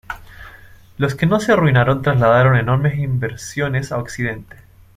Los que no se arruinaron trasladaron enormes inversiones a Occidente.